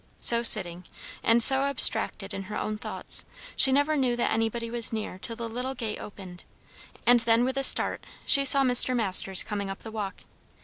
So sitting, and so abstracted in her own thoughts, she never knew that anybody was near till the little gate opened, and then with a start she saw Mr. Masters coming up the walk.